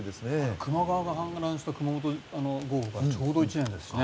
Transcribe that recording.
球磨川が氾濫した熊本豪雨からちょうど１年ですね。